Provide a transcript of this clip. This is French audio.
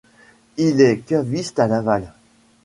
Il est caviste à Laval.